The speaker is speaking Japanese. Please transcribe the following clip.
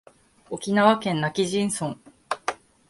沖縄県今帰仁村